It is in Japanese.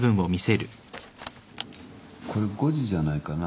これ誤字じゃないかな。